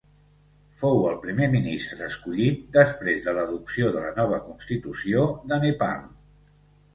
Fou el primer ministre escollit després de l'adopció de la nova constitució de Nepal.